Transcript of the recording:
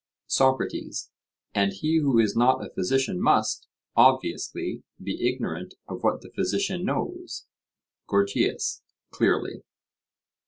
SOCRATES: And he who is not a physician must, obviously, be ignorant of what the physician knows. GORGIAS: Clearly.